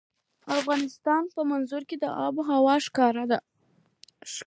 د افغانستان په منظره کې آب وهوا ښکاره ده.